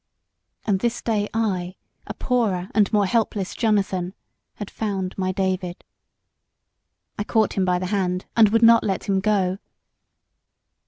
And this day, I, a poorer and more helpless Jonathan, had found my David. I caught him by the hand, and would not let him go.